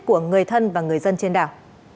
của người thân và người dân trên đảo